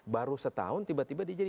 baru setahun tiba tiba dia jadi